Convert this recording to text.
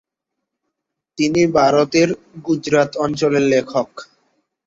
তিনি ভারতের গুজরাত অঞ্চলের লেখক।